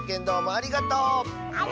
ありがとう！